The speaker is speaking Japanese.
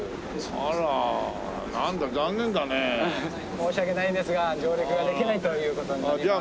申し訳ないですが上陸ができないという事になります。